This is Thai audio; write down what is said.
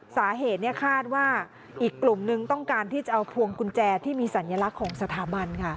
สาเหตุคาดว่าอีกกลุ่มนึงต้องการที่จะเอาพวงกุญแจที่มีสัญลักษณ์ของสถาบันค่ะ